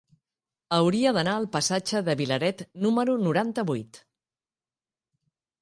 Hauria d'anar al passatge de Vilaret número noranta-vuit.